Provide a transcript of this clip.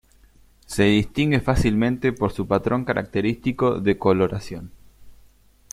Se distingue fácilmente por su patrón característico de coloración.